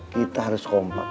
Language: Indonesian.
kita harus kompak